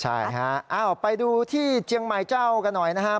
ใช่ค่ะอ้าวไปดูที่เจียงไกน์เจ้ากันหน่อยนะฮะ